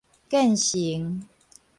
建成